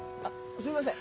すいません。